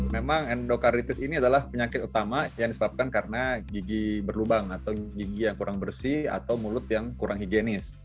memang endokarritis ini adalah penyakit utama yang disebabkan karena gigi berlubang atau gigi yang kurang bersih atau mulut yang kurang higienis